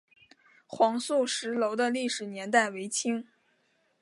黄素石楼的历史年代为清。